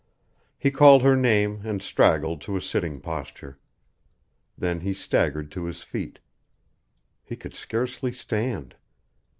He called her name and straggled to a sitting posture. Then he staggered to his feet. He could scarcely stand.